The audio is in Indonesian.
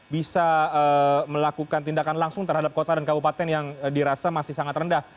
bisa melakukan tindakan langsung terhadap kota dan kabupaten yang dirasa masih sangat rendah